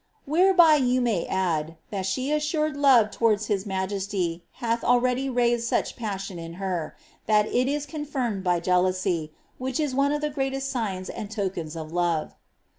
Whereby you may add, that her assured love towards his majesty hath already raised such pat iion in her, that it is confirmed by jealousy, which is one of the greatest ijgna and tokens of love.'"